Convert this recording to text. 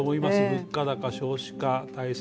物価高、少子化対策